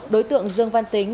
đối tượng dương văn tính